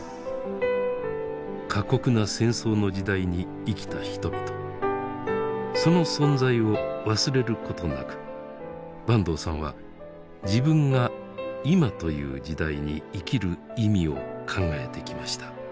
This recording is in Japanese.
過酷な戦争の時代に生きた人々その存在を忘れることなく坂東さんは自分が今という時代に生きる意味を考えてきました。